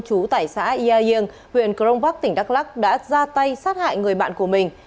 chú tải xã yai yêng huyện cronvac tỉnh đắk lắc đã ra tay sát hại người bạn của mình